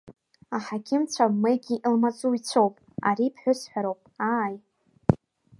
Аҳақьымцәа Мегги илмаҵуҩуп, Ари ԥҳәысҳәароуп, ааи!